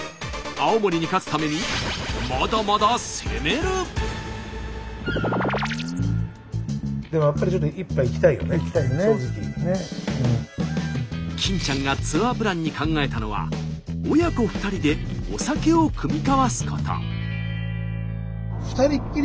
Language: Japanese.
青森に勝つために金ちゃんがツアープランに考えたのは親子２人でお酒を酌み交わすこと。